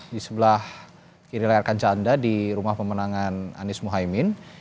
di sebelah kiri layar kanca anda di rumah pemenangan anies mohaimin